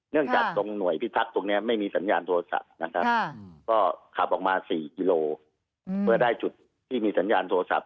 จากตรงหน่วยพิทักษ์ตรงนี้ไม่มีสัญญาณโทรศัพท์นะครับก็ขับออกมา๔กิโลเมื่อได้จุดที่มีสัญญาณโทรศัพท์